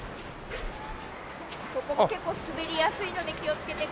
ここも結構滑りやすいので気をつけてください。